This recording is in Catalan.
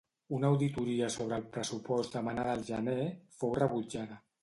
Una auditoria sobre el pressupost demanada el gener, fou rebutjada.